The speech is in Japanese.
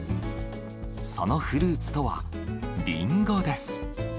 そのフルーツとは、リンゴです。